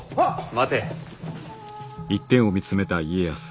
待て。